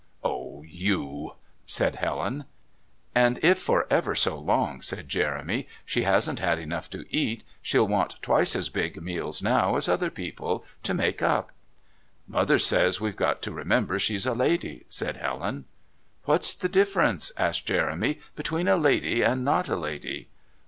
"Oh, you!" said Helen. "And if for ever so long," said Jeremy, "she hasn't had enough to eat, she'll want twice as big meals now as other people to make up." "Mother says we've got to remember she's a lady," said Helen. "What's the difference," asked Jeremy, "between a lady and not a lady?"